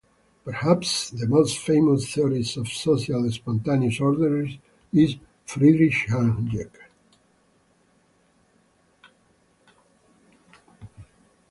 Perhaps the most famous theorist of social spontaneous orders is Friedrich Hayek.